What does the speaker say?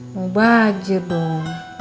mau baju dong